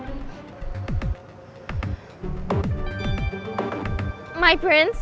lo masih disini nggak sih